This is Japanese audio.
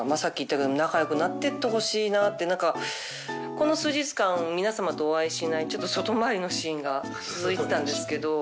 この数日間皆さまとお会いしない外回りのシーンが続いてたんですけど。